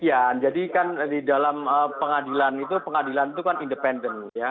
iya jadi kan di dalam pengadilan itu pengadilan itu kan independen ya